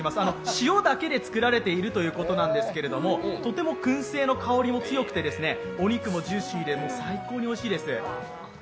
塩だけで作られているということなんですけどもとてもくん製の香りも強くて、お肉もジューシーで最高においしいです。